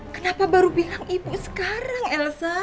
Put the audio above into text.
kenapa baru bilang ibu sekarang elsa